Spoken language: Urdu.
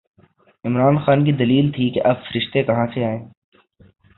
عمران خان کی دلیل تھی کہ اب فرشتے کہاں سے آئیں؟